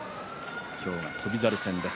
今日は翔猿戦です。